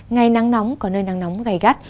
ngày nắng nóng có nơi nắng nóng gầy gắt